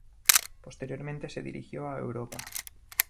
Posteriormente se dirigió a Europa.